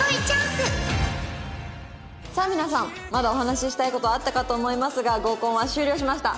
さあ皆さんまだお話ししたい事あったかと思いますが合コンは終了しました。